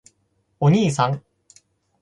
おにいさん！！！